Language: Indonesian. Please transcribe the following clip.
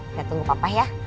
kita tunggu papa ya